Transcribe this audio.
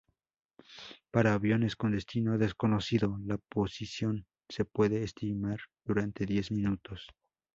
Para aviones con destino desconocido, la posición se puede estimar durante diez minutos.